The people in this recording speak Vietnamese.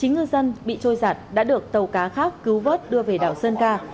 chín ngư dân bị trôi giặt đã được tàu cá khác cứu vớt đưa về đảo sơn ca